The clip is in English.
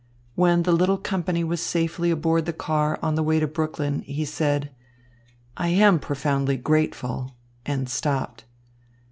When the little company was safely aboard the car on the way to Brooklyn, he said: "I am profoundly grateful " and stopped.